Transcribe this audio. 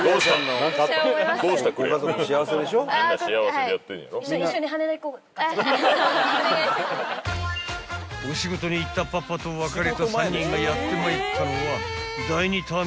［お仕事に行ったパパと別れた３人がやってまいったのは］